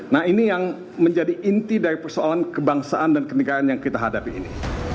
nah ini yang menjadi inti dari persoalan kebangsaan dan kenegaraan yang kita hadapi ini